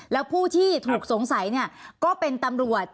แล้วผู้ที่ถูกสงสัยก็เป็นตำรวจ